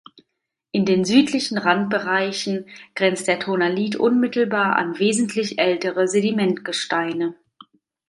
In den südlichen Randbereichen grenzt der Tonalit unmittelbar an wesentlich ältere Sedimentgesteine.